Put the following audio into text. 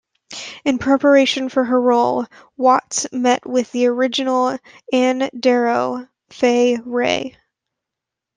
In preparation for her role, Watts met with the original Ann Darrow, Fay Wray.